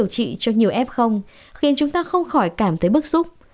cho nhiều f khiến chúng ta không khỏi cảm thấy bức xúc